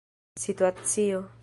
situacio